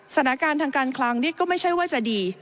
สถานการณ์ทางการคลังนี่ก็ไม่ใช่ว่าจะดี